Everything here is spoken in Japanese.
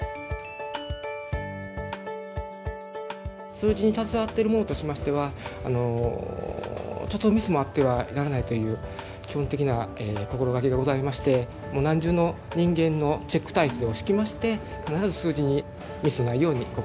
数字に携わっている者としましてはちょっとでもミスはあってはならないという基本的な心掛けがございまして何重の人間のチェック体制を敷きまして必ず数字にミスのないように心掛けております。